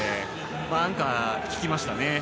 アンカー効きましたね。